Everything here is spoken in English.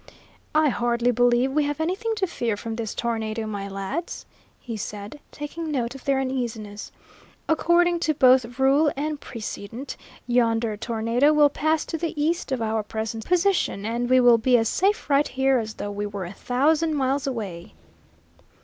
"I hardly believe we have anything to fear from this tornado, my lads," he said, taking note of their uneasiness. "According to both rule and precedent, yonder tornado will pass to the east of our present position, and we will be as safe right here as though we were a thousand miles away."